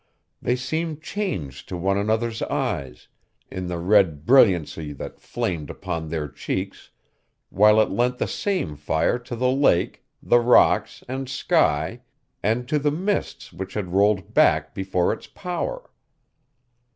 They seemed changed to one another's eyes, in the red brilliancy that flamed upon their cheeks, while it lent the same fire to the lake, the rocks, and sky, and to the mists which had rolled back before its power.